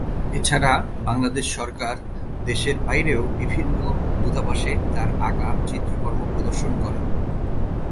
এছাড়া বাংলাদেশ সরকার দেশের বাইরেও বিভিন্ন দূতাবাসে তার আঁকা চিত্রকর্ম প্রদর্শন করে।